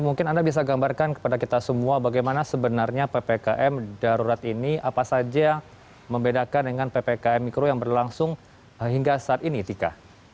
mungkin anda bisa gambarkan kepada kita semua bagaimana sebenarnya ppkm darurat ini apa saja membedakan dengan ppkm mikro yang berlangsung hingga saat ini tika